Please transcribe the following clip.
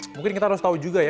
mungkin kita harus tahu juga ya